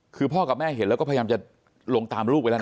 คือพ่อกับแม่เห็นแล้วก็พยายามจะลงตามลูกไปแล้วนะ